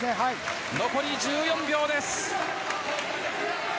残り１４秒です。